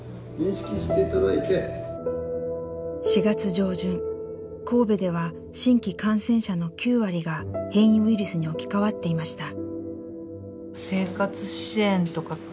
４月上旬神戸では新規感染者の９割が変異ウイルスに置き換わっていました。